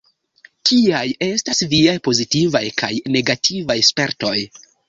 Kiaj estas viaj pozitivaj kaj negativaj spertoj?